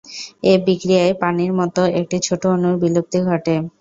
এ বিক্রিয়ায় পানির মতো একটি ছোট অণুর বিলুপ্তি ঘটে।